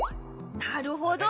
なるほど！